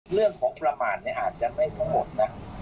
เรื่องของประมาทเนี่ยอาจจะไม่ทั้งหมดนะ